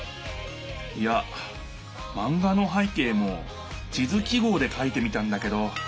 いやマンガの背景も地図記号でかいてみたんだけど。